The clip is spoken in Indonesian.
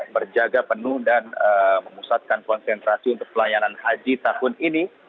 berjaga penuh dan memusatkan konsentrasi untuk pelayanan haji tahun ini